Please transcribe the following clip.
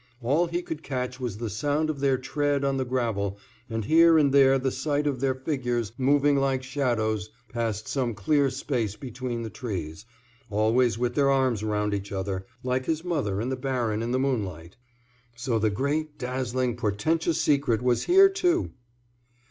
All he could catch was the sound of their tread on the gravel and here and there the sight of their figures moving like shadows past some clear space between the trees, always with their arms round each other, like his mother and the baron in the moonlight. So the great, dazzling, portentous secret was here, too.